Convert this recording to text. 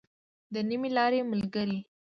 د نيمې لارې ملګری.